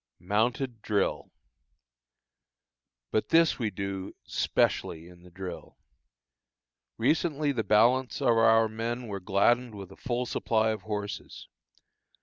MOUNTED DRILL. But this we do specially in the drill. Recently the balance of our men were gladdened with a full supply of horses.